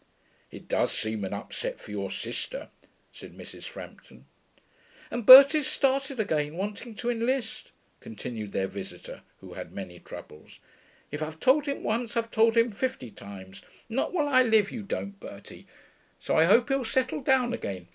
'It does seem an upset for your sister,' said Mrs. Frampton. 'And Bertie's started again wanting to enlist,' continued their visitor, who had many troubles. 'If I've told him once I've told him fifty times, "Not while I live you don't, Bertie." So I hope he'll settle down again.